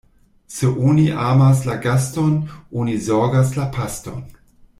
Se oni amas la gaston, oni zorgas la paston.